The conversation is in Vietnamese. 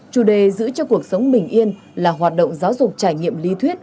chủ đề giữ cho cuộc sống bình yên là hoạt động giáo dục trải nghiệm lý thuyết